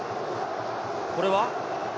これは？